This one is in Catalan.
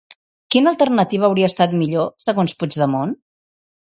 Quina alternativa hauria estat millor, segons Puigdemont?